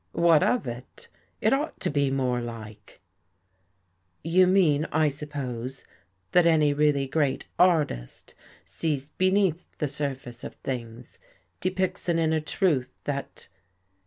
" What of it? It ought to be more like." " You mean, I suppose, that any really great art ist sees beneath the surface of things — depicts an inner truth that.